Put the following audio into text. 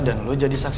dan lo jadi salah